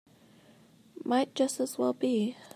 Might just as well be.